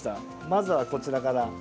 まずは、こちらから。